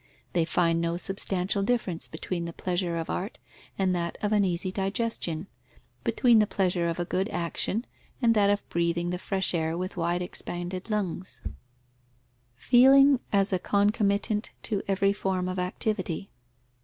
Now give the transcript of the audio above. They find no substantial difference between the pleasure of art and that of an easy digestion, between the pleasure of a good action and that of breathing the fresh air with wide expanded lungs. _Feeling as a concomitant to every form of activity.